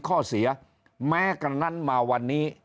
ข้อเสียแม้กันนั้นมาวันนี้